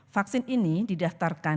vaksin ini didaftarkan